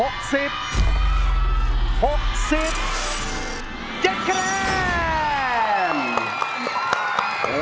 ๗คะแนน